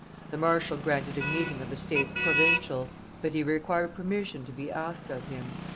The marshal granted a meeting of the states provincial, but he required permission to be asked of him.